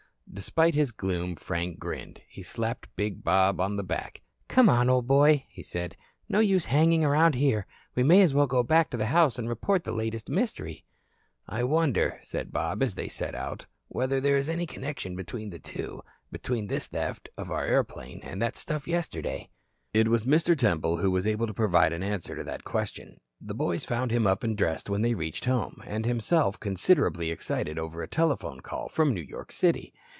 Despite his gloom, Frank grinned. He slapped big Bob on the back. "Come on, old boy," he said. "No use hanging around here. We may as well go back to the house and report the latest mystery." "I wonder," said Bob, as they set out, "whether there is any connection between the two between this theft of our airplane and that stuff yesterday." It was Mr. Temple who was able to provide an answer to that question. The boys found him up and dressed when they reached home, and himself considerably excited over a telephone call from New York City.